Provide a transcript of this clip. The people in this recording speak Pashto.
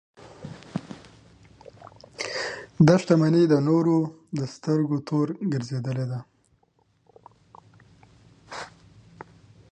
دا شتمنۍ د نورو د سترګو تور ګرځېدلې ده.